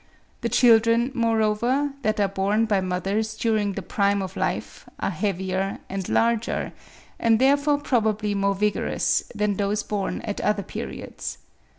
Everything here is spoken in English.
The children, moreover, that are borne by mothers during the prime of life are heavier and larger, and therefore probably more vigorous, than those born at other periods.